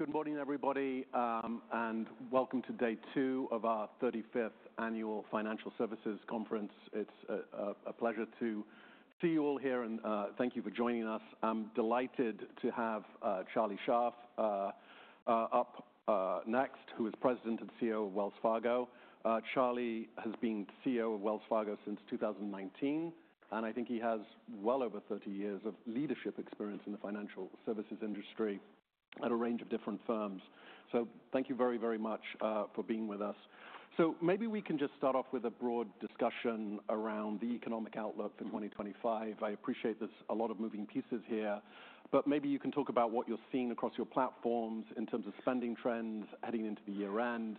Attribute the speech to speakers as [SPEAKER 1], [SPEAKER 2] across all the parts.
[SPEAKER 1] Good morning, everybody, and welcome to day two of our 35th Annual Financial Services Conference. It's a pleasure to see you all here, and thank you for joining us. I'm delighted to have Charlie Scharf up next, who is President and CEO of Wells Fargo. Charlie has been CEO of Wells Fargo since 2019, and I think he has well over 30 years of leadership experience in the financial services industry at a range of different firms. So thank you very, very much for being with us. So maybe we can just start off with a broad discussion around the economic outlook for 2025. I appreciate there's a lot of moving pieces here, but maybe you can talk about what you're seeing across your platforms in terms of spending trends heading into the year-end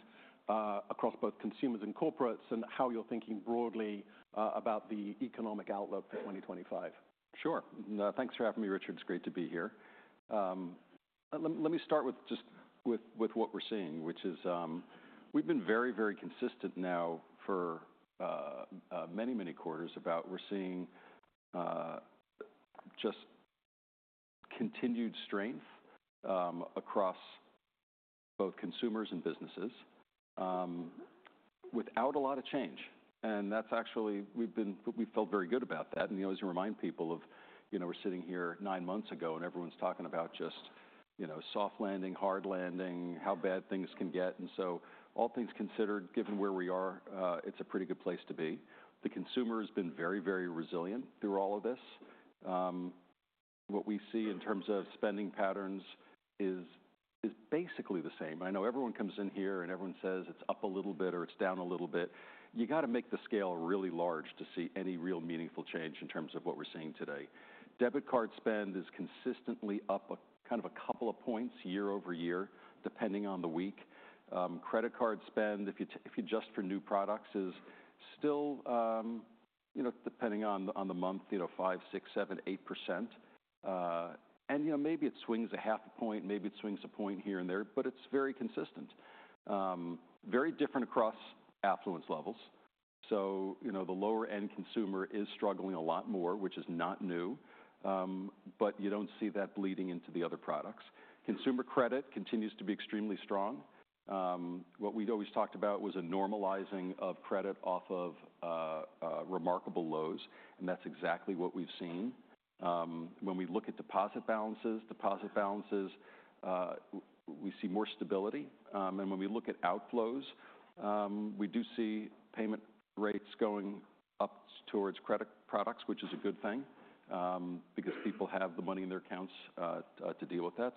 [SPEAKER 1] across both consumers and corporates, and how you're thinking broadly about the economic outlook for 2025.
[SPEAKER 2] Sure. Thanks for having me, Richard. It's great to be here. Let me start with just what we're seeing, which is we've been very, very consistent now for many, many quarters about we're seeing just continued strength across both consumers and businesses without a lot of change. And that's actually we've felt very good about that. And as you remind people of, we're sitting here nine months ago, and everyone's talking about just soft landing, hard landing, how bad things can get. And so all things considered, given where we are, it's a pretty good place to be. The consumer has been very, very resilient through all of this. What we see in terms of spending patterns is basically the same. I know everyone comes in here and everyone says it's up a little bit or it's down a little bit. You got to make the scale really large to see any real meaningful change in terms of what we're seeing today. Debit card spend is consistently up kind of a couple of points year over year, depending on the week. Credit card spend, if you adjust for new products, is still, depending on the month, 5, 6, 7, 8%. And maybe it swings a half a point, maybe it swings a point here and there, but it's very consistent, very different across affluence levels, so the lower-end consumer is struggling a lot more, which is not new, but you don't see that bleeding into the other products. Consumer credit continues to be extremely strong. What we'd always talked about was a normalizing of credit off of remarkable lows, and that's exactly what we've seen. When we look at deposit balances, we see more stability. When we look at outflows, we do see payment rates going up towards credit products, which is a good thing because people have the money in their accounts to deal with that.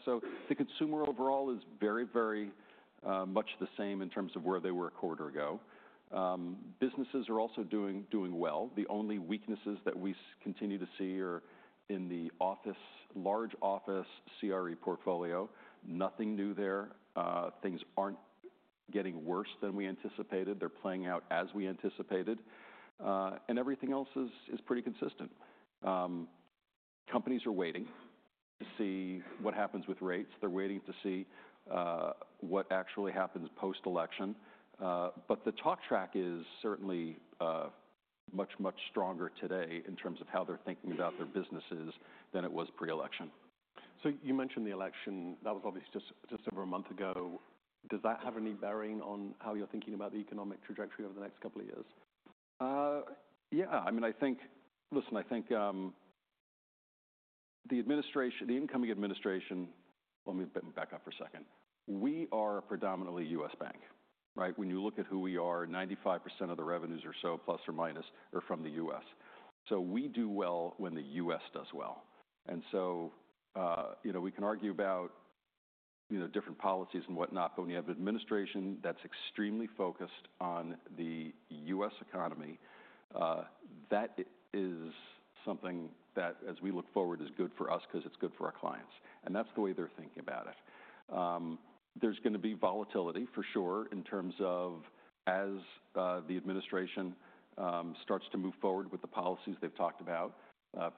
[SPEAKER 2] The consumer overall is very, very much the same in terms of where they were a quarter ago. Businesses are also doing well. The only weaknesses that we continue to see are in the large office CRE portfolio. Nothing new there. Things aren't getting worse than we anticipated. They're playing out as we anticipated. Everything else is pretty consistent. Companies are waiting to see what happens with rates. They're waiting to see what actually happens post-election. The talk track is certainly much, much stronger today in terms of how they're thinking about their businesses than it was pre-election. So you mentioned the election. That was obviously just over a month ago. Does that have any bearing on how you're thinking about the economic trajectory over the next couple of years? Yeah. I mean, I think, listen, I think the incoming administration let me back up for a second. We are predominantly U.S. bank, right? When you look at who we are, 95% of the revenues or so, plus or minus, are from the U.S. So we do well when the U.S. does well. And so we can argue about different policies and whatnot, but when you have an administration that's extremely focused on the U.S. economy, that is something that, as we look forward, is good for us because it's good for our clients. And that's the way they're thinking about it. There's going to be volatility, for sure, in terms of as the administration starts to move forward with the policies they've talked about,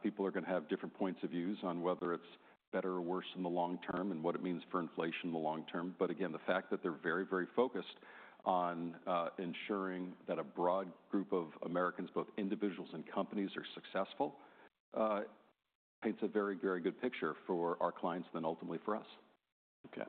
[SPEAKER 2] people are going to have different points of views on whether it's better or worse in the long term and what it means for inflation in the long term. But again, the fact that they're very, very focused on ensuring that a broad group of Americans, both individuals and companies, are successful paints a very, very good picture for our clients and then ultimately for us. Okay,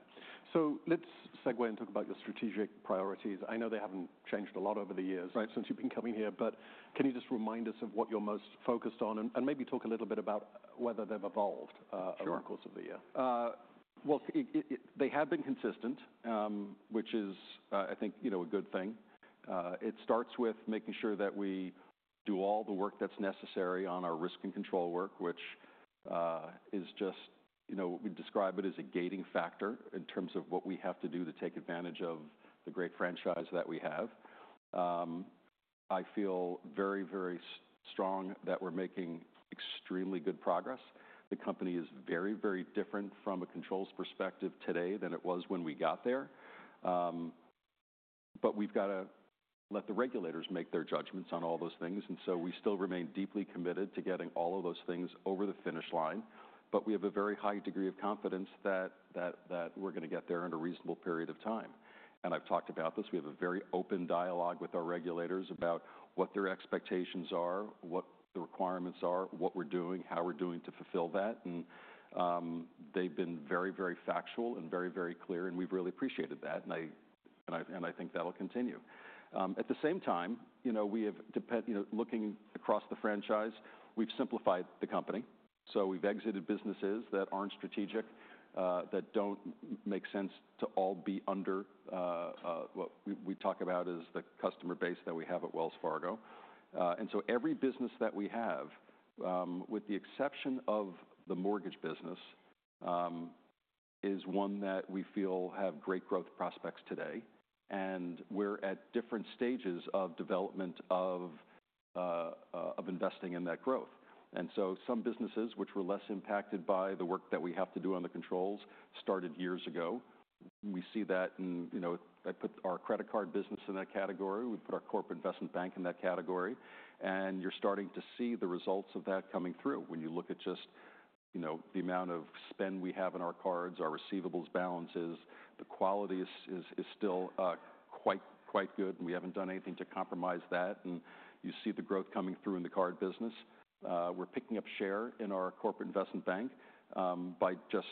[SPEAKER 2] so let's segue and talk about your strategic priorities. I know they haven't changed a lot over the years, right, since you've been coming here, but can you just remind us of what you're most focused on and maybe talk a little bit about whether they've evolved over the course of the year? Sure. Well, they have been consistent, which is, I think, a good thing. It starts with making sure that we do all the work that's necessary on our risk and control work, which is just we describe it as a gating factor in terms of what we have to do to take advantage of the great franchise that we have. I feel very, very strong that we're making extremely good progress. The company is very, very different from a controls perspective today than it was when we got there. But we've got to let the regulators make their judgments on all those things. And so we still remain deeply committed to getting all of those things over the finish line. But we have a very high degree of confidence that we're going to get there in a reasonable period of time. And I've talked about this. We have a very open dialogue with our regulators about what their expectations are, what the requirements are, what we're doing, how we're doing to fulfill that, and they've been very, very factual and very, very clear, and we've really appreciated that, and I think that'll continue. At the same time, looking across the franchise, we've simplified the company, so we've exited businesses that aren't strategic, that don't make sense to all be under what we talk about as the customer base that we have at Wells Fargo, and so every business that we have, with the exception of the mortgage business, is one that we feel have great growth prospects today, and we're at different stages of development of investing in that growth, and so some businesses, which were less impacted by the work that we have to do on the controls, started years ago. We see that in our credit card business in that category. We put our corporate investment bank in that category. And you're starting to see the results of that coming through when you look at just the amount of spend we have in our cards, our receivables balances. The quality is still quite good. We haven't done anything to compromise that. And you see the growth coming through in the card business. We're picking up share in our corporate investment bank by just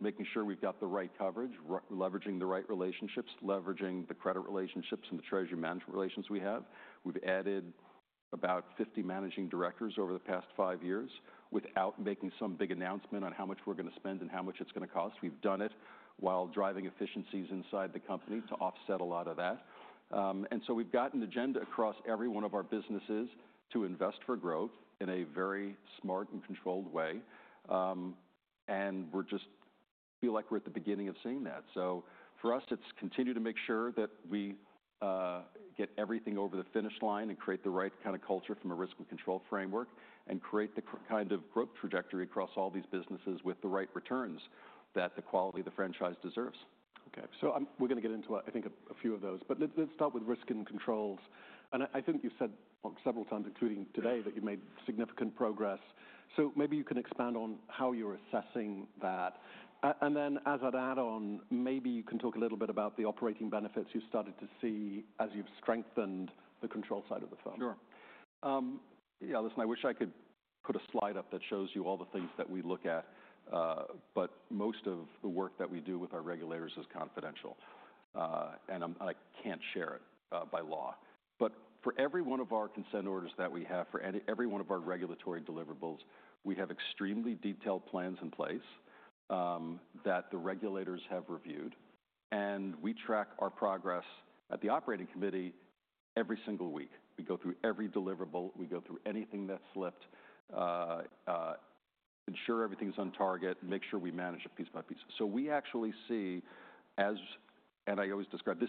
[SPEAKER 2] making sure we've got the right coverage, leveraging the right relationships, leveraging the credit relationships and the treasury management relations we have. We've added about 50 managing directors over the past five years without making some big announcement on how much we're going to spend and how much it's going to cost. We've done it while driving efficiencies inside the company to offset a lot of that. And so we've got an agenda across every one of our businesses to invest for growth in a very smart and controlled way. And we just feel like we're at the beginning of seeing that. So for us, it's continue to make sure that we get everything over the finish line and create the right kind of culture from a risk and control framework and create the kind of growth trajectory across all these businesses with the right returns that the quality of the franchise deserves. Okay. So we're going to get into, I think, a few of those. But let's start with risk and controls. And I think you've said several times, including today, that you've made significant progress. So maybe you can expand on how you're assessing that. And then as an add-on, maybe you can talk a little bit about the operating benefits you've started to see as you've strengthened the control side of the firm. Sure. Yeah, listen, I wish I could put a slide up that shows you all the things that we look at, but most of the work that we do with our regulators is confidential, and I can't share it by law. But for every one of our consent orders that we have, for every one of our regulatory deliverables, we have extremely detailed plans in place that the regulators have reviewed, and we track our progress at the Operating Committee every single week. We go through every deliverable. We go through anything that's slipped, ensure everything's on target, make sure we manage it piece by piece, so we actually see, as I always describe,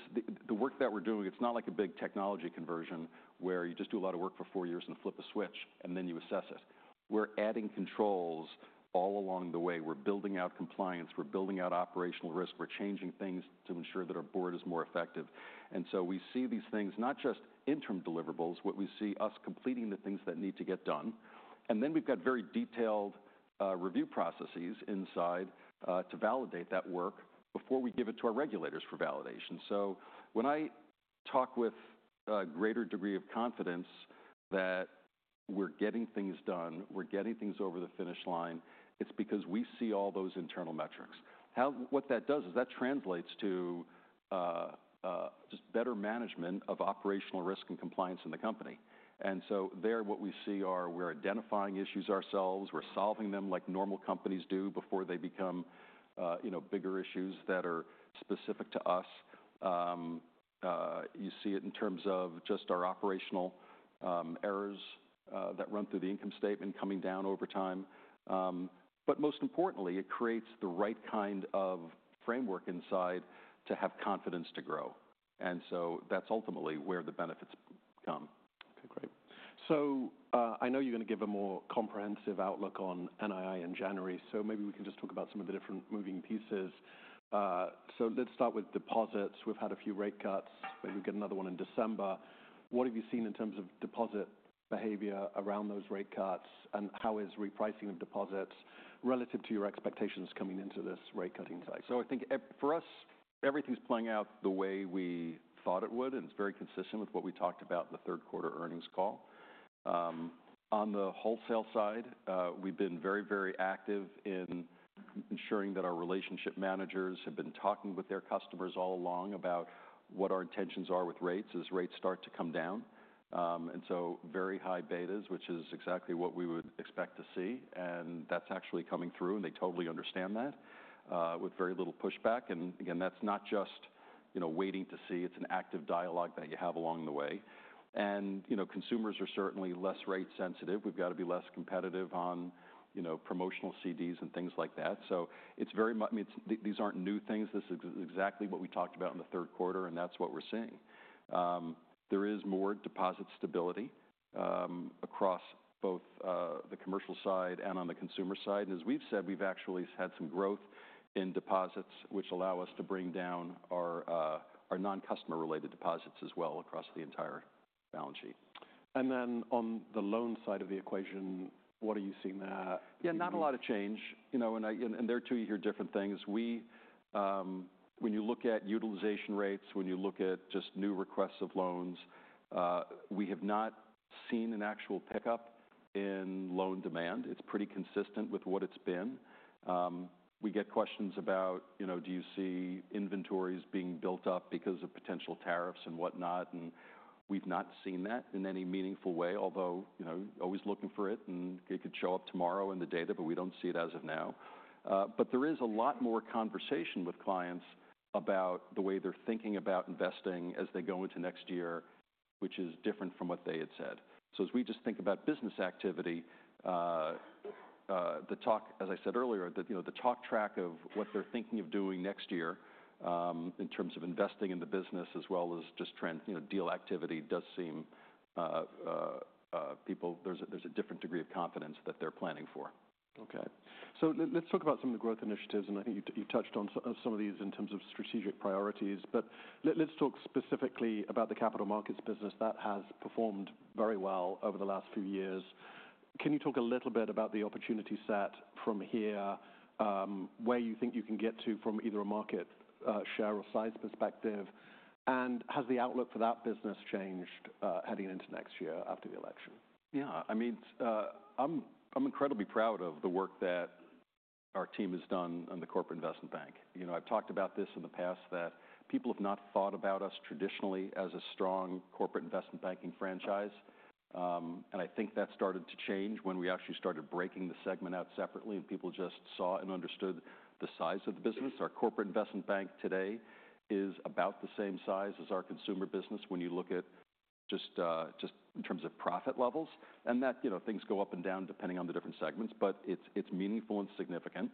[SPEAKER 2] the work that we're doing, it's not like a big technology conversion where you just do a lot of work for four years and flip a switch, and then you assess it. We're adding controls all along the way. We're building out compliance. We're building out operational risk. We're changing things to ensure that our board is more effective. And so we see these things, not just interim deliverables, what we see us completing the things that need to get done. And then we've got very detailed review processes inside to validate that work before we give it to our regulators for validation. So when I talk with a greater degree of confidence that we're getting things done, we're getting things over the finish line, it's because we see all those internal metrics. What that does is that translates to just better management of operational risk and compliance in the company. And so there, what we see are we're identifying issues ourselves. We're solving them like normal companies do before they become bigger issues that are specific to us. You see it in terms of just our operational errors that run through the income statement coming down over time, but most importantly, it creates the right kind of framework inside to have confidence to grow, and so that's ultimately where the benefits come. Okay, great. So I know you're going to give a more comprehensive outlook on NII in January. So maybe we can just talk about some of the different moving pieces. So let's start with deposits. We've had a few rate cuts. Maybe we get another one in December. What have you seen in terms of deposit behavior around those rate cuts? And how is repricing of deposits relative to your expectations coming into this rate cutting cycle? So I think for us, everything's playing out the way we thought it would. And it's very consistent with what we talked about in the third quarter earnings call. On the wholesale side, we've been very, very active in ensuring that our relationship managers have been talking with their customers all along about what our intentions are with rates as rates start to come down. And so very high betas, which is exactly what we would expect to see. And that's actually coming through. And they totally understand that with very little pushback. And again, that's not just waiting to see. It's an active dialogue that you have along the way. And consumers are certainly less rate sensitive. We've got to be less competitive on promotional CDs and things like that. So these aren't new things. This is exactly what we talked about in the third quarter. That's what we're seeing. There is more deposit stability across both the commercial side and on the consumer side. As we've said, we've actually had some growth in deposits, which allow us to bring down our non-customer-related deposits as well across the entire balance sheet. On the loan side of the equation, what are you seeing there? Yeah, not a lot of change, and there too, you hear different things. When you look at utilization rates, when you look at just new requests of loans, we have not seen an actual pickup in loan demand. It's pretty consistent with what it's been. We get questions about, do you see inventories being built up because of potential tariffs and whatnot, and we've not seen that in any meaningful way, although always looking for it, and it could show up tomorrow in the data, but we don't see it as of now, but there is a lot more conversation with clients about the way they're thinking about investing as they go into next year, which is different from what they had said. So as we just think about business activity, the talk, as I said earlier, the talk track of what they're thinking of doing next year in terms of investing in the business as well as just deal activity does seem. People, there's a different degree of confidence that they're planning for. Okay. So let's talk about some of the growth initiatives. And I think you've touched on some of these in terms of strategic priorities. But let's talk specifically about the capital markets business that has performed very well over the last few years. Can you talk a little bit about the opportunity set from here, where you think you can get to from either a market share or size perspective? And has the outlook for that business changed heading into next year after the election? Yeah. I mean, I'm incredibly proud of the work that our team has done on the corporate investment bank. I've talked about this in the past that people have not thought about us traditionally as a strong corporate investment banking franchise. And I think that started to change when we actually started breaking the segment out separately and people just saw and understood the size of the business. Our corporate investment bank today is about the same size as our consumer business when you look at just in terms of profit levels. And that things go up and down depending on the different segments, but it's meaningful and significant.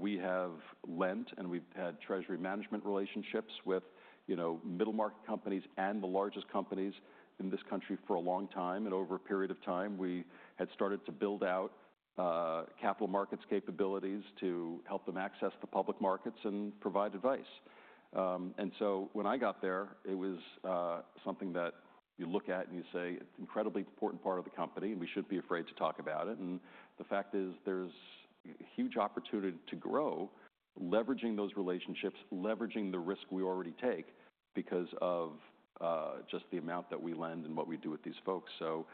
[SPEAKER 2] We have lent and we've had treasury management relationships with middle market companies and the largest companies in this country for a long time. And over a period of time, we had started to build out capital markets capabilities to help them access the public markets and provide advice. And so when I got there, it was something that you look at and you say, it's an incredibly important part of the company and we shouldn't be afraid to talk about it. And the fact is there's a huge opportunity to grow leveraging those relationships, leveraging the risk we already take because of just the amount that we lend and what we do with these folks. So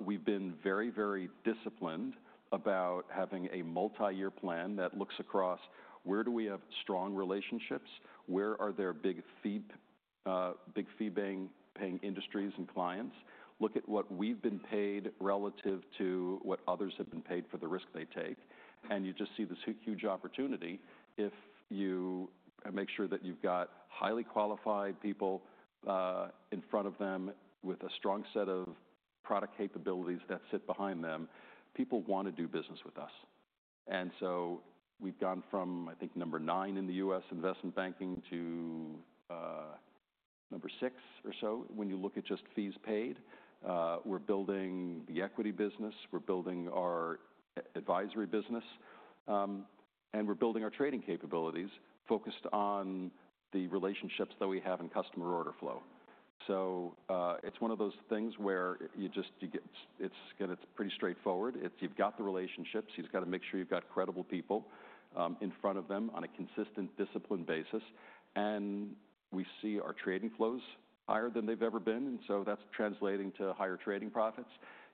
[SPEAKER 2] we've been very, very disciplined about having a multi-year plan that looks across where do we have strong relationships, where are there big fee-paying industries and clients, look at what we've been paid relative to what others have been paid for the risk they take. And you just see this huge opportunity if you make sure that you've got highly qualified people in front of them with a strong set of product capabilities that sit behind them. People want to do business with us. And so we've gone from, I think, number nine in the U.S. investment banking to number six or so. When you look at just fees paid, we're building the equity business. We're building our advisory business. And we're building our trading capabilities focused on the relationships that we have in customer order flow. So it's one of those things where it's pretty straightforward. You've got the relationships. You've got to make sure you've got credible people in front of them on a consistent discipline basis. And we see our trading flows higher than they've ever been. And so that's translating to higher trading profits.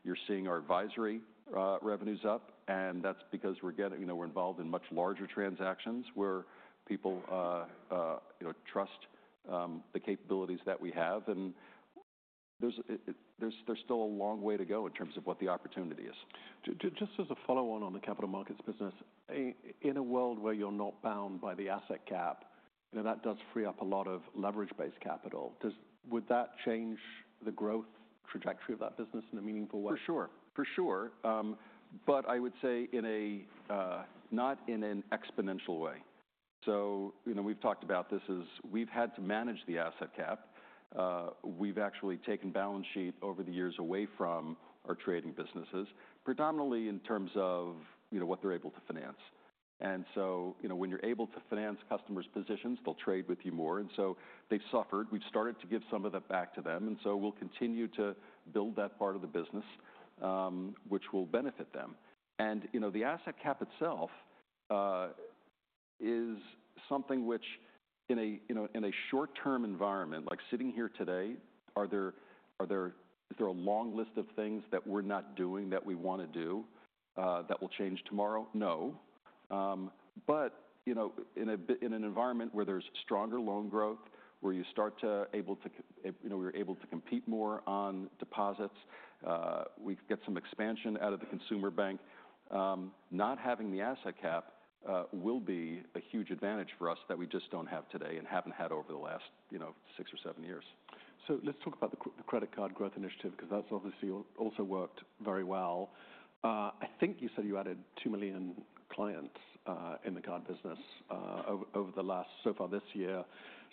[SPEAKER 2] You're seeing our advisory revenues up. And that's because we're involved in much larger transactions where people trust the capabilities that we have. And there's still a long way to go in terms of what the opportunity is. Just as a follow-on on the capital markets business, in a world where you're not bound by the asset cap, that does free up a lot of leverage-based capital. Would that change the growth trajectory of that business in a meaningful way? For sure. For sure. But I would say not in an exponential way. So we've talked about this as we've had to manage the asset cap. We've actually taken balance sheet over the years away from our trading businesses, predominantly in terms of what they're able to finance. And so when you're able to finance customers' positions, they'll trade with you more. And so they suffered. We've started to give some of that back to them. And so we'll continue to build that part of the business, which will benefit them. And the asset cap itself is something which, in a short-term environment, like sitting here today, is there a long list of things that we're not doing that we want to do that will change tomorrow? No. But in an environment where there's stronger loan growth, where you start to be able to compete more on deposits, we get some expansion out of the consumer bank, not having the asset cap will be a huge advantage for us that we just don't have today and haven't had over the last six or seven years. So let's talk about the credit card growth initiative because that's obviously also worked very well. I think you said you added two million clients in the card business over so far this year.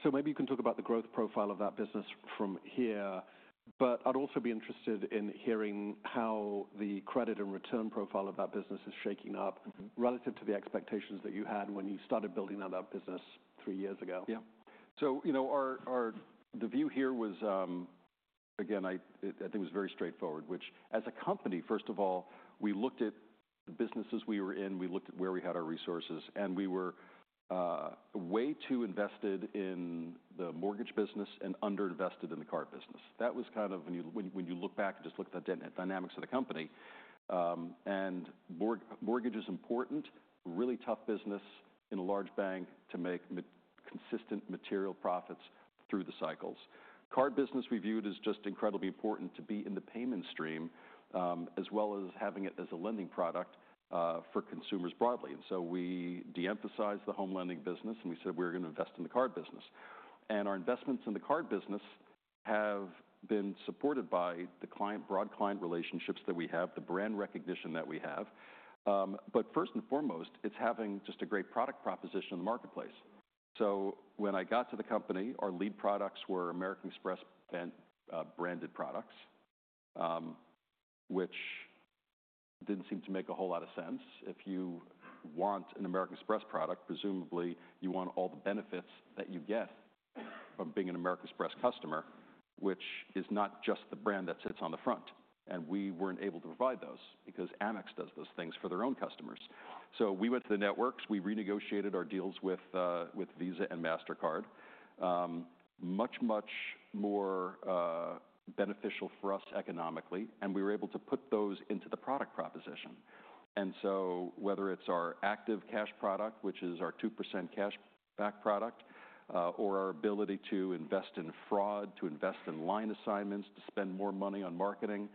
[SPEAKER 2] So maybe you can talk about the growth profile of that business from here. But I'd also be interested in hearing how the credit and return profile of that business is shaking up relative to the expectations that you had when you started building out that business three years ago. Yeah. So the view here was, again, I think it was very straightforward, which as a company, first of all, we looked at the businesses we were in. We looked at where we had our resources. And we were way too invested in the mortgage business and underinvested in the card business. That was kind of when you look back and just look at the dynamics of the company. And mortgage is important, really tough business in a large bank to make consistent material profits through the cycles. Card business we viewed as just incredibly important to be in the payment stream as well as having it as a lending product for consumers broadly. And so we de-emphasized the home lending business. And we said, we're going to invest in the card business. And our investments in the card business have been supported by the broad client relationships that we have, the brand recognition that we have. But first and foremost, it's having just a great product proposition in the marketplace. So when I got to the company, our lead products were American Express branded products, which didn't seem to make a whole lot of sense. If you want an American Express product, presumably you want all the benefits that you get from being an American Express customer, which is not just the brand that sits on the front. And we weren't able to provide those because Amex does those things for their own customers. So we went to the networks. We renegotiated our deals with Visa and Mastercard. Much, much more beneficial for us economically. And we were able to put those into the product proposition. And so whether it's our Active Cash product, which is our 2% cash back product, or our ability to invest in fraud, to invest in line assignments, to spend more money on marketing,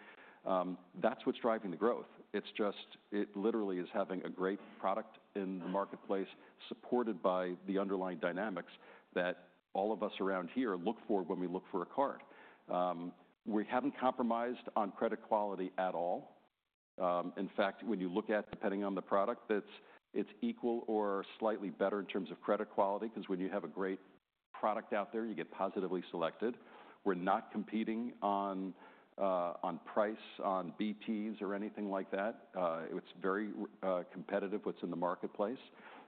[SPEAKER 2] that's what's driving the growth. It literally is having a great product in the marketplace supported by the underlying dynamics that all of us around here look for when we look for a card. We haven't compromised on credit quality at all. In fact, when you look at depending on the product, it's equal or slightly better in terms of credit quality because when you have a great product out there, you get positively selected. We're not competing on price, on basis points or anything like that. It's very competitive what's in the marketplace.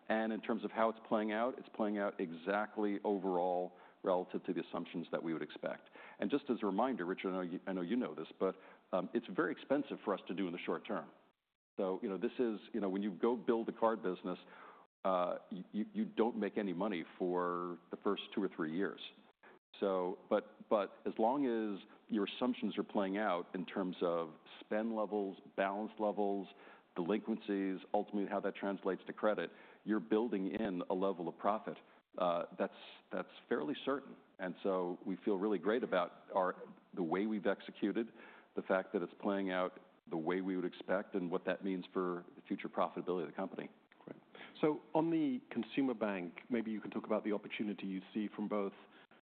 [SPEAKER 2] And in terms of how it's playing out, it's playing out exactly overall relative to the assumptions that we would expect. And just as a reminder, Richard, I know you know this, but it's very expensive for us to do in the short term. So when you go build the card business, you don't make any money for the first two or three years. But as long as your assumptions are playing out in terms of spend levels, balance levels, delinquencies, ultimately how that translates to credit, you're building in a level of profit that's fairly certain. And so we feel really great about the way we've executed, the fact that it's playing out the way we would expect and what that means for the future profitability of the company. Great. So on the consumer bank, maybe you can talk about the opportunity you see from both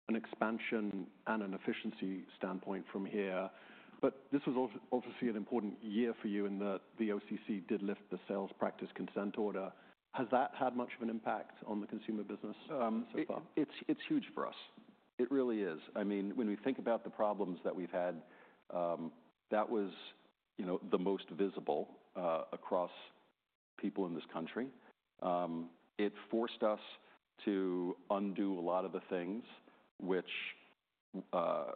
[SPEAKER 2] an expansion and an efficiency standpoint from here. But this was obviously an important year for you in that the OCC did lift the sales practice consent order. Has that had much of an impact on the consumer business so far? It's huge for us. It really is. I mean, when we think about the problems that we've had, that was the most visible across people in this country. It forced us to undo a lot of the things which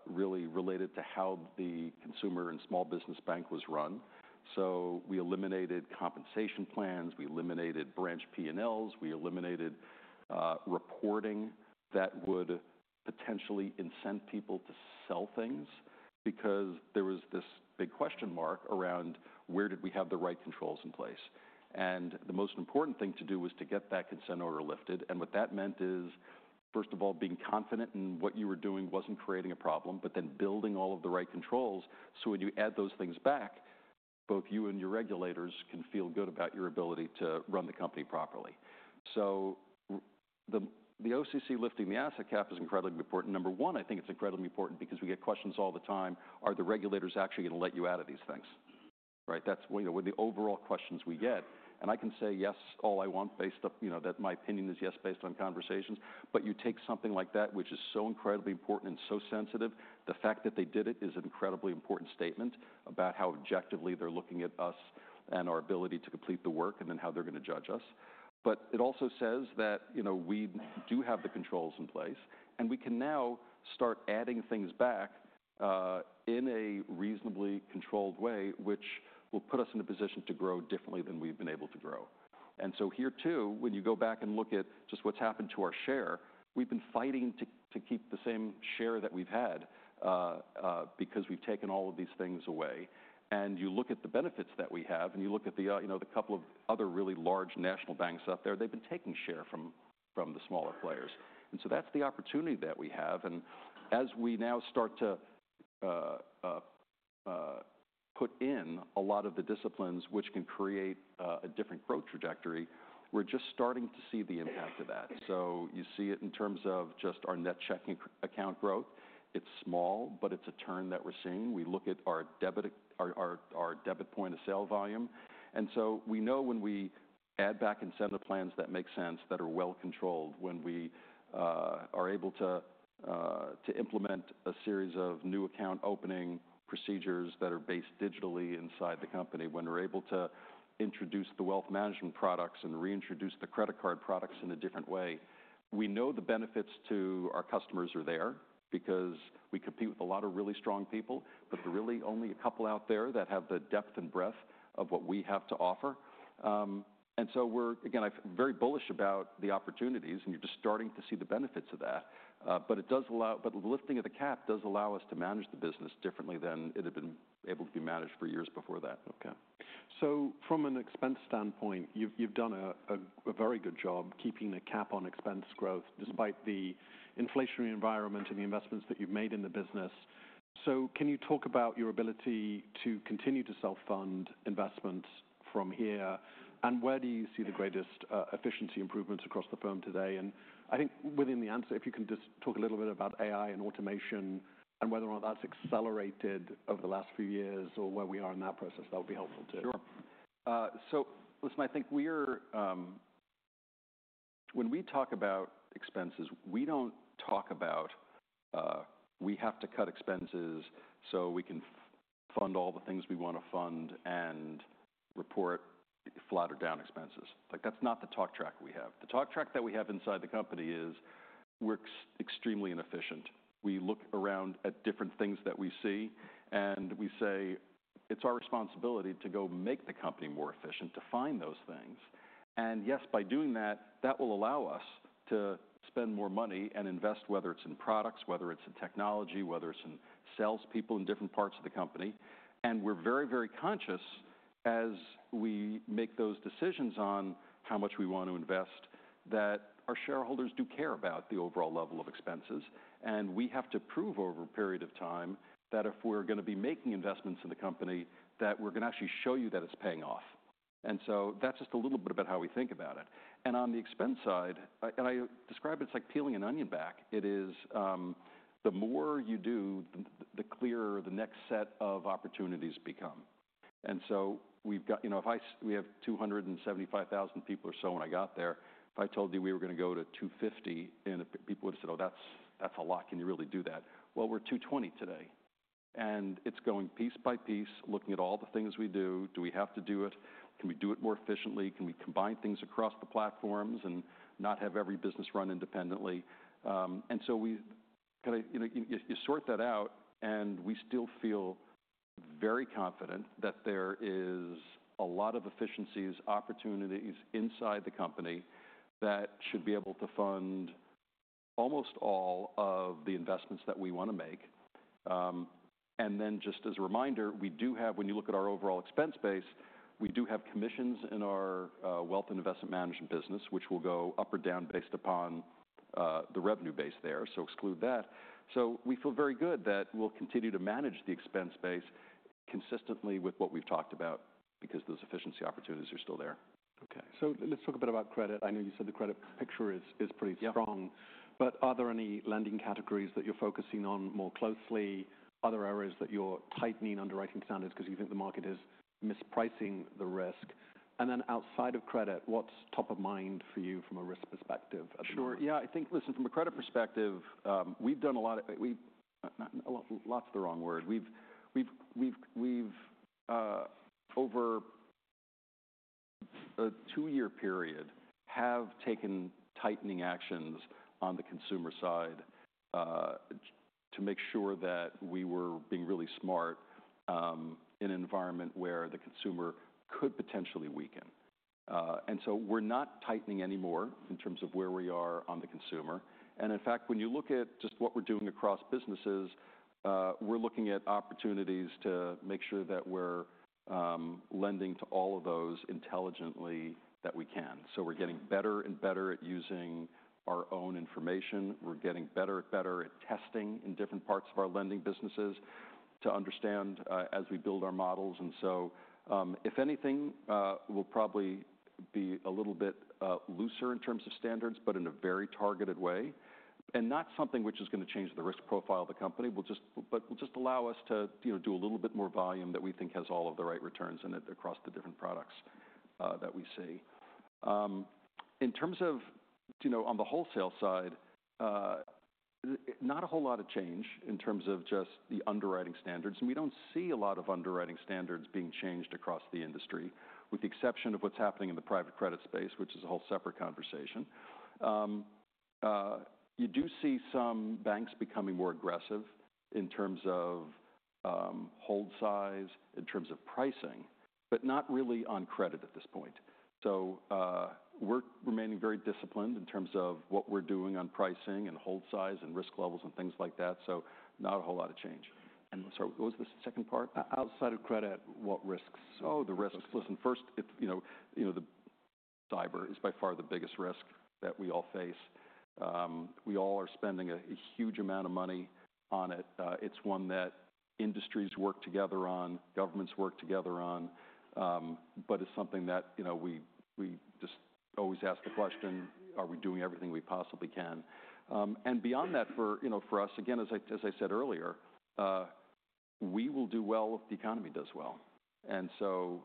[SPEAKER 2] really related to how the consumer and small business bank was run. So we eliminated compensation plans. We eliminated branch P&Ls. We eliminated reporting that would potentially incent people to sell things because there was this big question mark around where did we have the right controls in place. And the most important thing to do was to get that consent order lifted. And what that meant is, first of all, being confident in what you were doing wasn't creating a problem, but then building all of the right controls. So when you add those things back, both you and your regulators can feel good about your ability to run the company properly. So the OCC lifting the asset cap is incredibly important. Number one, I think it's incredibly important because we get questions all the time, are the regulators actually going to let you out of these things? Right? That's one of the overall questions we get. And I can say yes all I want based on that my opinion is yes based on conversations. But you take something like that, which is so incredibly important and so sensitive, the fact that they did it is an incredibly important statement about how objectively they're looking at us and our ability to complete the work and then how they're going to judge us. But it also says that we do have the controls in place. And we can now start adding things back in a reasonably controlled way, which will put us in a position to grow differently than we've been able to grow. And so here too, when you go back and look at just what's happened to our share, we've been fighting to keep the same share that we've had because we've taken all of these things away. And you look at the benefits that we have and you look at the couple of other really large national banks out there, they've been taking share from the smaller players. And so that's the opportunity that we have. And as we now start to put in a lot of the disciplines which can create a different growth trajectory, we're just starting to see the impact of that. So you see it in terms of just our net checking account growth. It's small, but it's a turn that we're seeing. We look at our debit point of sale volume, and so we know when we add back and send the plans that make sense that are well controlled, when we are able to implement a series of new account opening procedures that are based digitally inside the company, when we're able to introduce the wealth management products and reintroduce the credit card products in a different way, we know the benefits to our customers are there because we compete with a lot of really strong people, but there are really only a couple out there that have the depth and breadth of what we have to offer, and so we're, again, very bullish about the opportunities, and you're just starting to see the benefits of that. But the lifting of the cap does allow us to manage the business differently than it had been able to be managed for years before that. Okay. So from an expense standpoint, you've done a very good job keeping a cap on expense growth despite the inflationary environment and the investments that you've made in the business. So can you talk about your ability to continue to self-fund investments from here? And where do you see the greatest efficiency improvements across the firm today? And I think within the answer, if you can just talk a little bit about AI and automation and whether or not that's accelerated over the last few years or where we are in that process, that would be helpful too. Sure. So listen, I think when we talk about expenses, we don't talk about we have to cut expenses so we can fund all the things we want to fund and report flatter down expenses. That's not the talk track we have. The talk track that we have inside the company is we're extremely inefficient. We look around at different things that we see. And we say it's our responsibility to go make the company more efficient to find those things. And yes, by doing that, that will allow us to spend more money and invest, whether it's in products, whether it's in technology, whether it's in salespeople in different parts of the company. And we're very, very conscious as we make those decisions on how much we want to invest that our shareholders do care about the overall level of expenses. We have to prove over a period of time that if we're going to be making investments in the company, that we're going to actually show you that it's paying off. And so that's just a little bit about how we think about it. And on the expense side, and I describe it's like peeling an onion back. It is the more you do, the clearer the next set of opportunities become. And so if we have 275,000 people or so when I got there, if I told you we were going to go to 250,000, and people would have said, "Oh, that's a lot. Can you really do that?" Well, we're 220,000 today. And it's going piece by piece, looking at all the things we do. Do we have to do it? Can we do it more efficiently? Can we combine things across the platforms and not have every business run independently? And so you sort that out, and we still feel very confident that there is a lot of efficiencies, opportunities inside the company that should be able to fund almost all of the investments that we want to make. And then just as a reminder, when you look at our overall expense base, we do have commissions in our Wealth and Investment Management business, which will go up or down based upon the revenue base there. So exclude that. So we feel very good that we'll continue to manage the expense base consistently with what we've talked about because those efficiency opportunities are still there. Okay. So let's talk a bit about credit. I know you said the credit picture is pretty strong. But are there any lending categories that you're focusing on more closely, other areas that you're tightening underwriting standards because you think the market is mispricing the risk? And then outside of credit, what's top of mind for you from a risk perspective at the moment? Sure. Yeah. I think, listen, from a credit perspective, we've done a lot of lots of the wrong word. Over a two-year period, we have taken tightening actions on the consumer side to make sure that we were being really smart in an environment where the consumer could potentially weaken. And so we're not tightening anymore in terms of where we are on the consumer. And in fact, when you look at just what we're doing across businesses, we're looking at opportunities to make sure that we're lending to all of those intelligently that we can. So we're getting better and better at using our own information. We're getting better at testing in different parts of our lending businesses to understand as we build our models. And so if anything, we'll probably be a little bit looser in terms of standards, but in a very targeted way. And not something which is going to change the risk profile of the company, but will just allow us to do a little bit more volume that we think has all of the right returns across the different products that we see. In terms of on the wholesale side, not a whole lot of change in terms of just the underwriting standards. And we don't see a lot of underwriting standards being changed across the industry, with the exception of what's happening in the private credit space, which is a whole separate conversation. You do see some banks becoming more aggressive in terms of hold size, in terms of pricing, but not really on credit at this point. So we're remaining very disciplined in terms of what we're doing on pricing and hold size and risk levels and things like that. So not a whole lot of change. What was the second part? Outside of credit, what risks? Oh, the risks. Listen, first, cyber is by far the biggest risk that we all face. We all are spending a huge amount of money on it. It's one that industries work together on, governments work together on, but it's something that we just always ask the question, are we doing everything we possibly can? And beyond that, for us, again, as I said earlier, we will do well if the economy does well. And so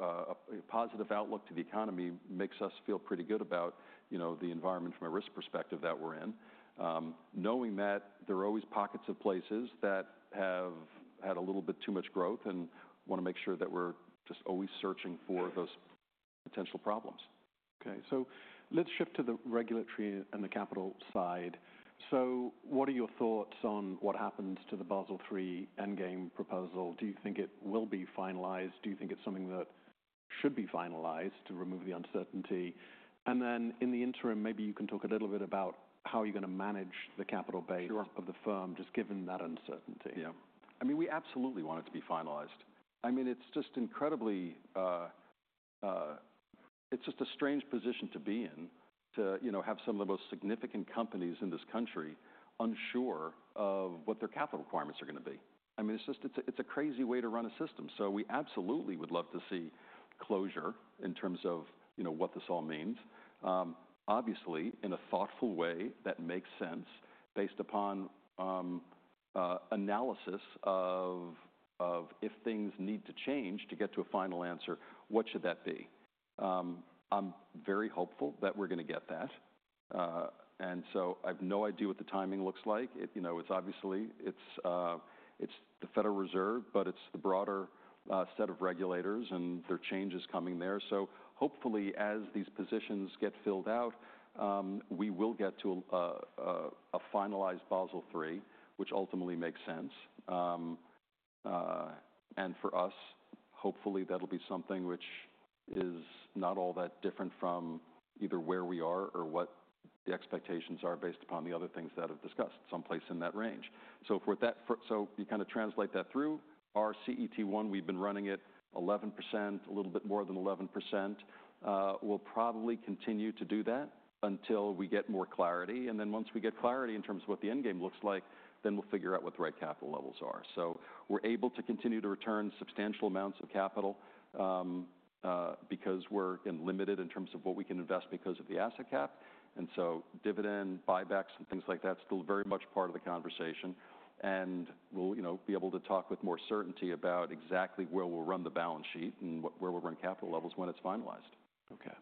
[SPEAKER 2] a positive outlook to the economy makes us feel pretty good about the environment from a risk perspective that we're in, knowing that there are always pockets of places that have had a little bit too much growth and want to make sure that we're just always searching for those potential problems. Okay. So let's shift to the regulatory and the capital side. So what are your thoughts on what happens to the Basel III Endgame proposal? Do you think it will be finalized? Do you think it's something that should be finalized to remove the uncertainty? And then in the interim, maybe you can talk a little bit about how you're going to manage the capital base of the firm just given that uncertainty. Yeah. I mean, we absolutely want it to be finalized. I mean, it's just a strange position to be in, to have some of the most significant companies in this country unsure of what their capital requirements are going to be. I mean, it's a crazy way to run a system. So we absolutely would love to see closure in terms of what this all means, obviously in a thoughtful way that makes sense based upon analysis of if things need to change to get to a final answer, what should that be? I'm very hopeful that we're going to get that, and so I have no idea what the timing looks like. It's obviously the Federal Reserve, but it's the broader set of regulators, and there are changes coming there. So hopefully, as these positions get filled out, we will get to a finalized Basel III, which ultimately makes sense. And for us, hopefully, that'll be something which is not all that different from either where we are or what the expectations are based upon the other things that I've discussed, someplace in that range. So if we're at that, so you kind of translate that through our CET1, we've been running it 11%, a little bit more than 11%. We'll probably continue to do that until we get more clarity. And then once we get clarity in terms of what the endgame looks like, then we'll figure out what the right capital levels are. So we're able to continue to return substantial amounts of capital because we're limited in terms of what we can invest because of the asset cap. And so dividend buybacks and things like that are still very much part of the conversation. And we'll be able to talk with more certainty about exactly where we'll run the balance sheet and where we'll run capital levels when it's finalized. Okay.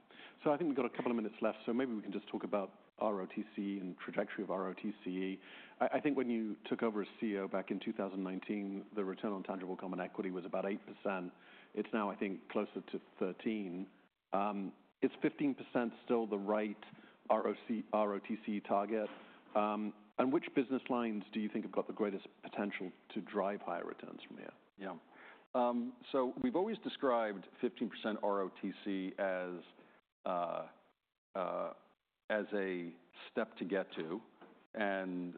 [SPEAKER 2] So I think we've got a couple of minutes left. So maybe we can just talk about ROTCE and trajectory of ROTCE. I think when you took over as CEO back in 2019, the return on tangible common equity was about 8%. It's now, I think, closer to 13%. Is 15% still the right ROTCE target? And which business lines do you think have got the greatest potential to drive higher returns from here? Yeah, so we've always described 15% ROTCE as a step to get to, and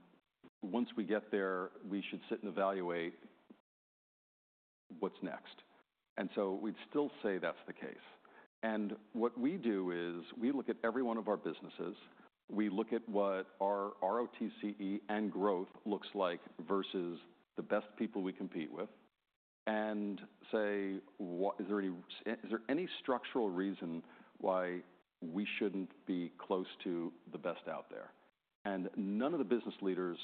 [SPEAKER 2] once we get there, we should sit and evaluate what's next, and so we'd still say that's the case. What we do is we look at every one of our businesses. We look at what our ROTCE and growth looks like versus the best people we compete with and say, is there any structural reason why we shouldn't be close to the best out there? None of the business leaders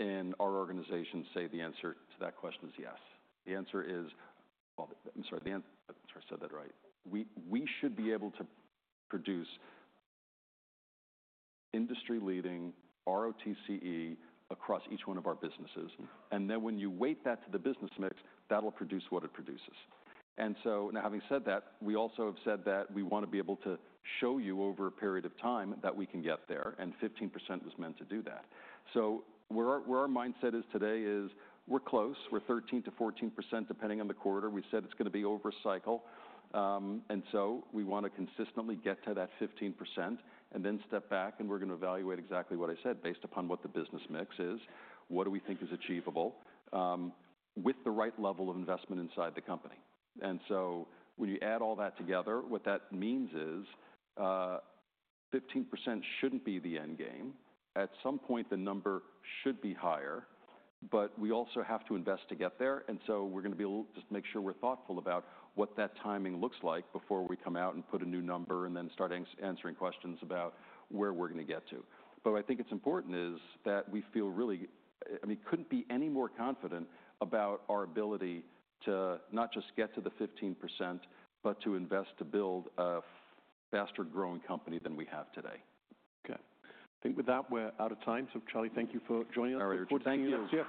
[SPEAKER 2] in our organization say the answer to that question is yes. The answer is, I'm sorry, I said that right. We should be able to produce industry-leading ROTCE across each one of our businesses, and then when you weight that to the business mix, that'll produce what it produces. And so now, having said that, we also have said that we want to be able to show you over a period of time that we can get there. And 15% was meant to do that. So where our mindset is today is we're close. We're 13%-14% depending on the quarter. We said it's going to be over a cycle. And so we want to consistently get to that 15% and then step back. And we're going to evaluate exactly what I said based upon what the business mix is. What do we think is achievable with the right level of investment inside the company? And so when you add all that together, what that means is 15% shouldn't be the endgame. At some point, the number should be higher. But we also have to invest to get there. And so we're going to be able to just make sure we're thoughtful about what that timing looks like before we come out and put a new number and then start answering questions about where we're going to get to. But what I think is important is that we feel really, I mean, couldn't be any more confident about our ability to not just get to the 15%, but to invest to build a faster-growing company than we have today. Okay. I think with that, we're out of time. So Charlie, thank you for joining us. All right. Thank you. Thank you. Yeah.